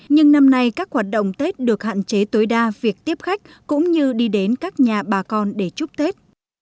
nhưng năm nay các hoạt động tết được hạn chế tối đa việc tiếp khách cũng như đi đến các nhà bà con để chúc tết